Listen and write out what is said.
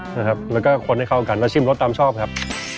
นะครับแล้วก็คนให้เข้ากันแล้วชิมรสตามชอบครับ